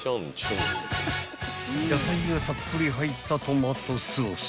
［野菜がたっぷり入ったトマトソース］